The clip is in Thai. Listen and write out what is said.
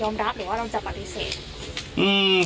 หรือว่าเราจะปารีเศษ